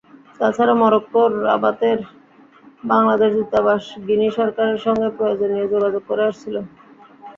তাছাড়া মরক্কোর রাবাতের বাংলাদেশ দূতাবাস গিনি সরকারের সঙ্গে প্রয়োজনীয় যোগাযোগ করে আসছিল।